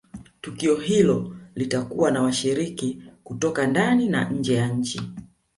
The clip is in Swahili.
tukio hilo litakuwa na washiriki kutoka ndani na nje ya nchi